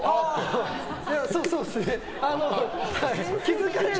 そうですね。